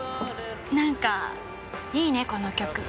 何かいいねこの曲。